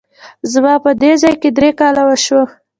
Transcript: زما په دې ځای کي درې کاله وشوه !